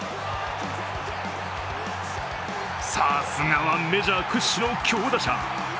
さすがはメジャー屈指の強打者。